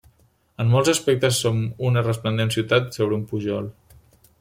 En molts aspectes som una resplendent ciutat sobre un pujol.